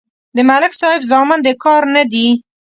د ملک صاحب زامن د کار نه دي.